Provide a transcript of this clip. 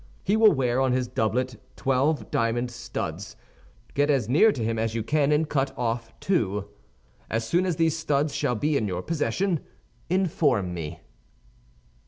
He will wear on his doublet twelve diamond studs; get as near to him as you can, and cut off two. As soon as these studs shall be in your possession, inform me.